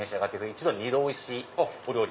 １度に２度おいしいお料理。